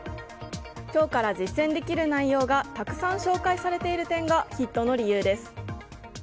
今日から実践できる内容がたくさん紹介されている点がヒットの理由です。